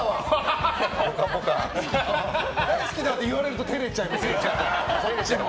大好きだって言われると照れちゃいます。